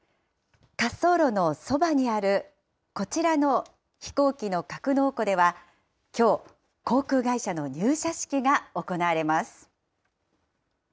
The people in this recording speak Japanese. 滑走路のそばにあるこちらの飛行機の格納庫では、きょう、航空会社の入社式が行われます。